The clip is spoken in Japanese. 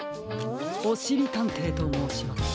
おしりたんていともうします。